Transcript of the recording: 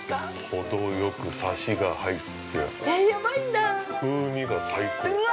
◆ほどよくサシが入って風味が最高。